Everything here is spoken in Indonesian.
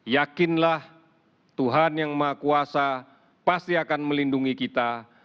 yakinlah tuhan yang maha kuasa pasti akan melindungi kita